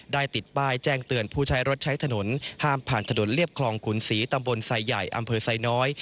ติดป้ายแจ้งเตือนผู้ใช้รถใช้ถนนห้ามผ่านถนนเรียบคลองขุนศรีตำบลไซใหญ่อำเภอไซน้อย